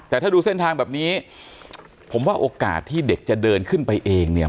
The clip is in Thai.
แต่ถ้าดูเส้นทางแบบนี้ผมว่าโอกาสที่เด็กจะเดินขึ้นไปเองเนี่ย